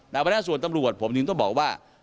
ในวันหน้าส่วนตำรวจผมต้องบอกว่า